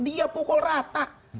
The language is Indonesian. dia pukul rata